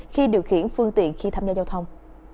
khi điều khiển phương tiện khi tham gia giao thông